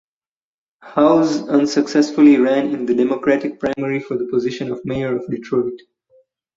Howze unsuccessfully ran in the Democratic primary for the position of mayor of Detroit.